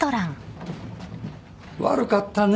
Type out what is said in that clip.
悪かったね